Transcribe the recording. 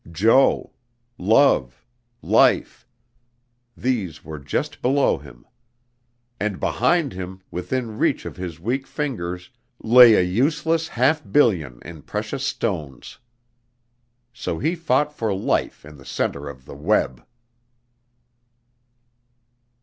Jo love life these were just below him. And behind him, within reach of his weak fingers, lay a useless half billion in precious stones. So he fought for life in the center of the web.